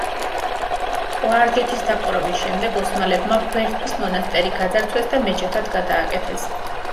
კლარჯეთის დაპყრობის შემდეგ ოსმალებმა ბერთის მონასტერი გაძარცვეს და მეჩეთად გადააკეთეს.